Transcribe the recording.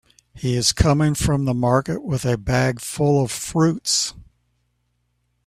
He is coming from the market with a bag full of fruits.